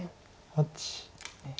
８。